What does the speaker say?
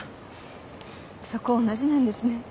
そこ同じなんですね。